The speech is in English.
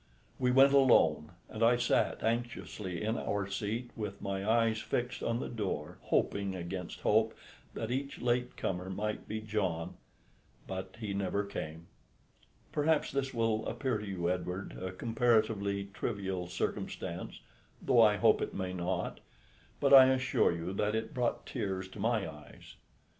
We went alone, and I sat anxiously in our seat with my eyes fixed on the door, hoping against hope that each late comer might be John, but he never came. Perhaps this will appear to you, Edward, a comparatively trivial circumstance (though I hope it may not), but I assure you that it brought tears to my eyes.